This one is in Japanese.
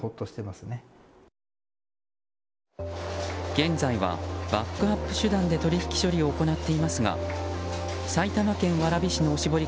現在はバックアップ手段で取り引きを行っていますが埼玉県蕨市のおしぼり